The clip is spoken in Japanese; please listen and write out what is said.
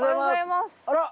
あら！